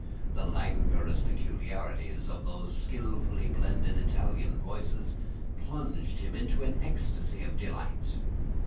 The languorous peculiarities of those skilfully blended Italian voices plunged him in an ecstasy of delight.